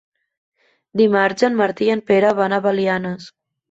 Dimarts en Martí i en Pere van a Belianes.